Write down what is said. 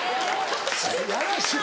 やらしい！